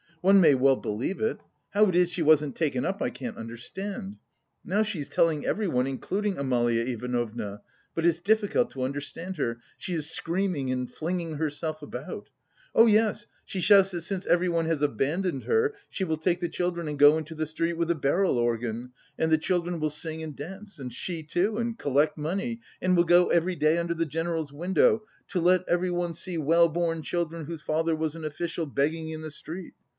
One may well believe it.... How it is she wasn't taken up, I can't understand! Now she is telling everyone, including Amalia Ivanovna; but it's difficult to understand her, she is screaming and flinging herself about.... Oh yes, she shouts that since everyone has abandoned her, she will take the children and go into the street with a barrel organ, and the children will sing and dance, and she too, and collect money, and will go every day under the general's window... 'to let everyone see well born children, whose father was an official, begging in the street.